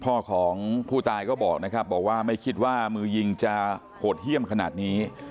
พ่อของผู้ตายก็บอกนะครับบอกว่าไม่คิดว่ามือยิงจะโหดเยี่ยมขนาดนี้